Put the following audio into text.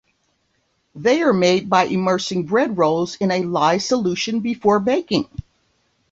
They are made by immersing bread rolls in a lye solution before baking.